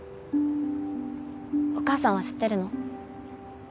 お母さんは知ってるの？